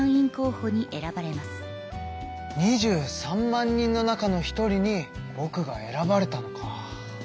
２３万人の中の一人にぼくが選ばれたのか。